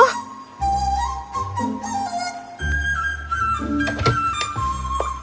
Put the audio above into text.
oh tidak cepat sembunyi